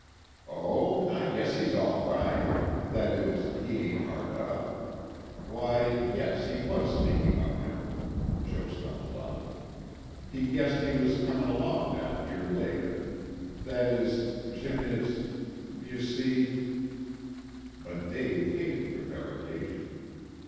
"Oh, I guess he's all right. That is he ain't hard up. Why yes, he was speakin' of him," Joe stumbled on. "He guessed he was comin' along down here later. That is, Jim is you see " But Dave hated prevarication.